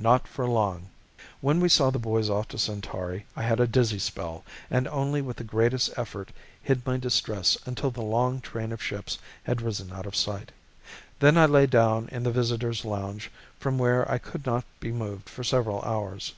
Not for long. When we saw the boys off to Centauri I had a dizzy spell and only with the greatest effort hid my distress until the long train of ships had risen out of sight. Then I lay down in the Visitors Lounge from where I could not be moved for several hours.